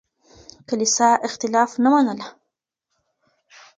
کليسا اختلاف نه منله.